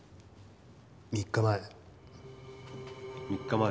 ３日前？